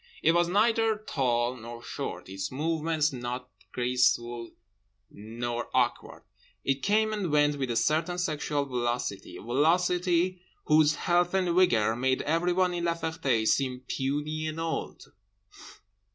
It was neither tall nor short, its movements nor graceful nor awkward. It came and went with a certain sexual velocity, a velocity whose health and vigour made everyone in La Ferté seem puny and old.